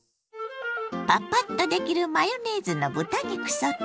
パパッとできるマヨネーズの豚肉ソテー。